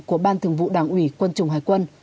của ban thường vụ đảng ủy quân chủng hải quân